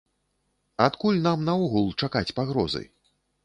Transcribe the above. Адкуль нам наогул чакаць пагрозы?